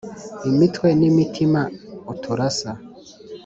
imitwe n’imitima uturasa